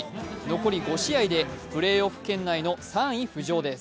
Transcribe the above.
残り５試合でプレーオフ圏内の３位浮上です。